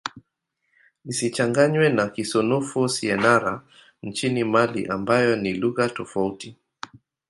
Isichanganywe na Kisenoufo-Syenara nchini Mali ambayo ni lugha tofauti.